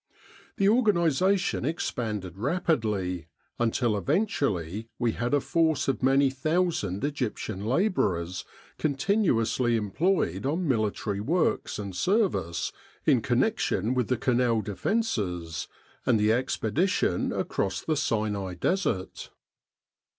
The organisation expanded rapidly, until eventually we had a force of many thousand Egyptian labourers continuously employed on military works and service in connection with the Canal defences, and the expedition across the Sinai Desert.